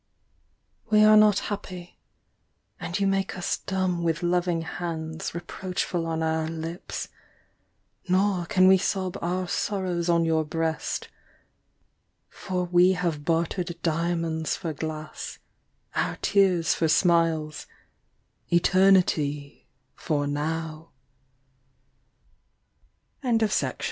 We are not happy, And you make us dumb with loving hands Reproachful on our lips, Nor can we sob our sorrows on your breast, For we have bartered diamonds for glass, Our tears for smiles, Eternity f